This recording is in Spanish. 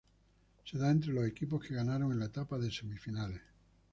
Se da entre los equipos que ganaron en la etapa de semifinales.